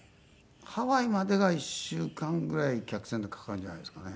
ハワイまでが１週間ぐらい客船でかかるんじゃないんですかね。